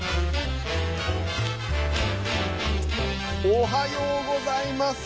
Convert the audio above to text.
おはようございます。